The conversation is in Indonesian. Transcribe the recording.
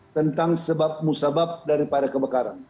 tentang sebab musabab daripada kebakaran